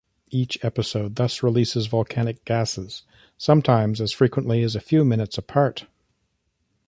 Each episode thus releases volcanic gases, sometimes as frequently as a few minutes apart.